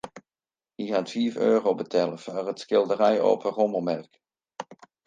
Hy hat fiif euro betelle foar it skilderij op in rommelmerk.